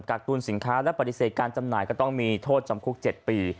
ตูนสินค้าและปฏิเสธการจำหน่ายก็ต้องมีโทษจำคุก๗ปี